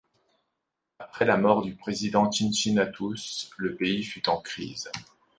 Après la mort du président Cincinnatus, le pays fut en crise.